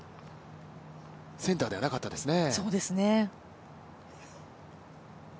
センターではなかったですね。